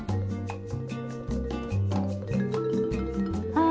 ああ！